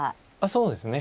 そうですね。